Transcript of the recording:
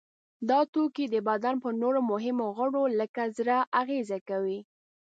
دا توکي د بدن پر نورو مهمو غړو لکه زړه اغیزه کوي.